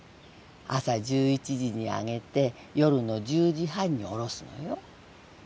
朝１１時に揚げて夜の１０時半に下ろすのよ。